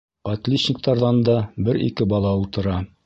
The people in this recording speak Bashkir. Отличниктарҙан да бер-ике бала ултыра.